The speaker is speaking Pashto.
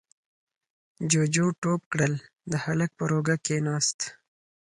جُوجُو ټوپ کړل، د هلک پر اوږه کېناست: